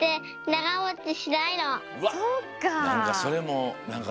そっか！